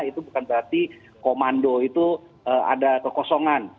itu bukan berarti komando itu ada kekosongan